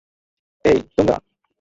হেই, তোমরা।